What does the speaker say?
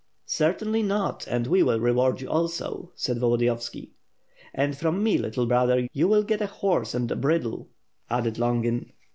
'* "Certainly not, and we will reward you also," said Volo diyovski. "And from me, little brother, you will get a horse and bridle," added Longin.